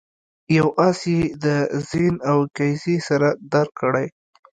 یو آس یې د زین او کیزې سره درکړی.